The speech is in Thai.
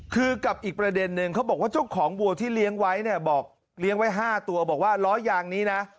คือกับอีกประเด็นนึงเขาบอกว่าเจ้าของวัวที่เลี้ยงไว้เนี่ยบอกเลี้ยงไว้๕ตัวบอกว่าล้อยางนี้นะ